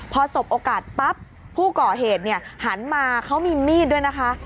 พอสบโอกาสปั๊บผู้ก่อเหตุหันมาเขามีมีดด้วยนะคะ